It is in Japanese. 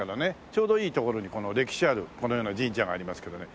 ちょうどいいところにこの歴史あるこのような神社がありますけどね。